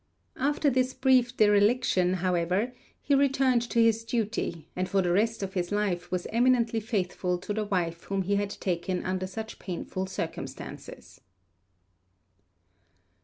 After this brief dereliction, however, he returned to his duty, and for the rest of his life was eminently faithful to the wife whom he had taken under such painful circumstances.